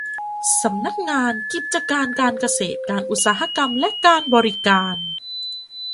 สำนักงานกิจการการเกษตรการอุตสาหกรรมและการบริการ